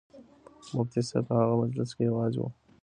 مفتي صاحب په هغه مجلس کې یوازې و.